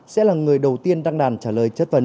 sẽ là người đầu tiên đăng đàn trả lời chất vấn